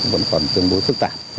vẫn còn tương đối thức tạp